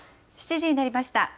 ７時になりました。